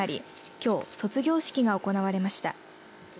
きょう、卒業式が行われました。